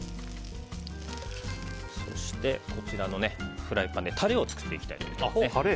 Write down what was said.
そして、こちらのフライパンでタレを作っていきたいと思います。